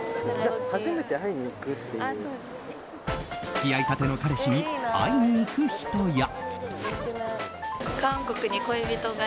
付き合いたての彼氏に会いに行く人や。